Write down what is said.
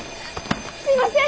すいません！